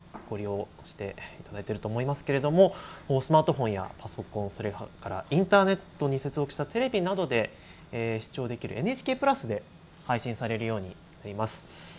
たくさんの方がご利用していただいてると思いますけどもスマートフォンやパソコンインターネットに接続したテレビなどで視聴できる「ＮＨＫプラス」で配信されるようになります。